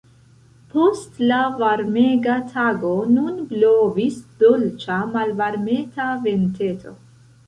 Post la varmega tago nun blovis dolĉa, malvarmeta venteto.